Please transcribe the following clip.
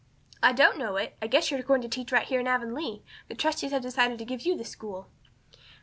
"I don't know it. I guess you're going to teach right here in Avonlea. The trustees have decided to give you the school."